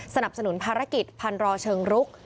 สนับสนุนภารกิจพันรอเชิงรุก